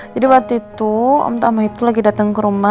waktu itu om tama itu lagi datang ke rumah